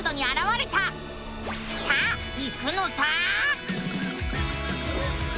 さあ行くのさ！